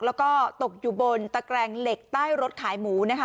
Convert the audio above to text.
แล้วก็ตกอยู่บนตะแกรงเหล็กใต้รถขายหมูนะคะ